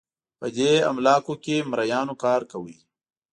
په دې املاکو کې مریانو کار کاوه.